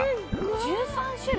１３種類？